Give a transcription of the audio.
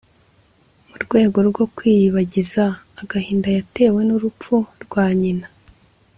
mu rwego rwo kwiyibagiza agahinda yatewe n’urupfu rwa nyina